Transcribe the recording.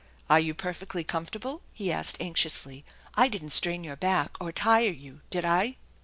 <; Are you perfectly comfortable ?" he asked anxiously. " I didn't strain your back or tire you, did I